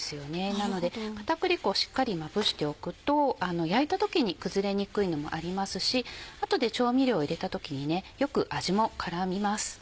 なので片栗粉をしっかりまぶしておくと焼いた時に崩れにくいのもありますし後で調味料を入れた時によく味も絡みます。